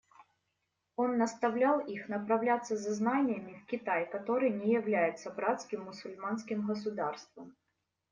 Он наставлял их отправляться за знаниями в Китай, который не является братским мусульманским государством.